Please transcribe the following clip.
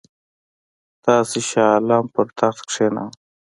تاسي شاه عالم پر تخت کښېناوه.